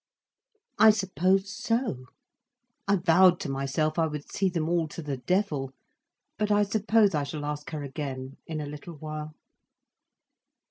"I suppose so. I vowed to myself I would see them all to the devil. But I suppose I shall ask her again, in a little while."